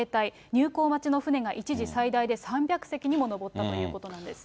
入港待ちの船が一時最大で３００隻にも上ったということなんです。